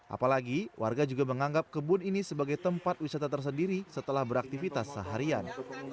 apalagi warga juga menganggap kebun ini sebagai tempat wisata tersendiri setelah beraktivitas seharian